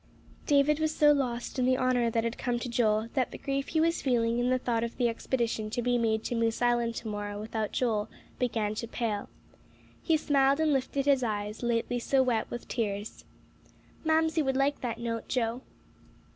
David was so lost in the honor that had come to Joel, that the grief that he was feeling in the thought of the expedition to be made to Moose Island to morrow without Joel, began to pale. He smiled and lifted his eyes, lately so wet with tears. "Mamsie would like that note, Joe."